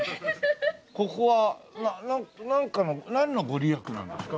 ここはなんかのなんの御利益なんですか？